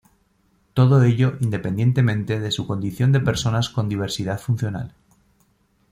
Todo ello independientemente de su condición de personas con diversidad funcional.